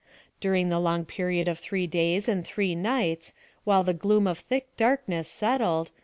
— during the long period of three days and three nights, while the gloom of thick darkness sotlled.